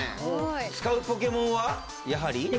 使うポケモンはやはり。